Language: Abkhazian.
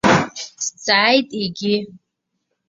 Дҵааит егьи.